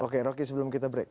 oke rocky sebelum kita break